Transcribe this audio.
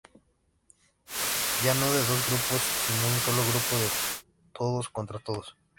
Ya no de dos grupos sino un solo grupo de todos contra todos.